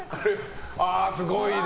すごいね。